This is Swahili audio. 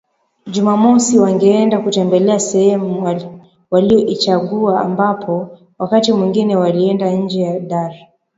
Jumamosi wangeenda kutembelea sehemu waliyoichagua ambapo wakati mwingine walienda nje ya Dar